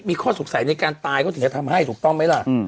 มีข้อสงสัยในการตายก็ถึงจะทำให้ถูกต้องไหมล่ะ